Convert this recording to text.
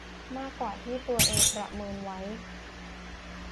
มากกว่าที่ตัวเองประเมินไว้